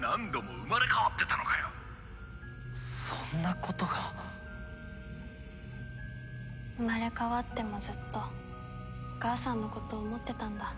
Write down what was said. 生まれ変わってもずっとお母さんのこと思ってたんだ。